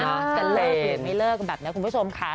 จะเลิกหรือไม่เลิกแบบนี้คุณผู้ชมค่ะ